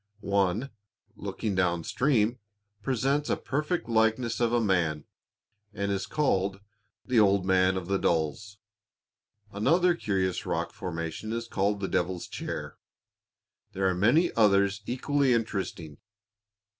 One, looking down stream, presents a perfect likeness of a man, and is called "The Old Man of the Dalles." Another curious rock formation is called the "Devil's Chair." There are many others equally interesting.